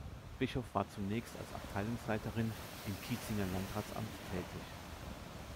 Bischof war zunächst als Abteilungsleiterin im Kitzinger Landratsamt tätig.